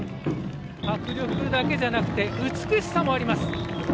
迫力だけじゃなくて美しさもあります。